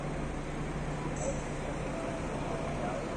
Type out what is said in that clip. ھين مارو پاتا پيتا ني لئي جاو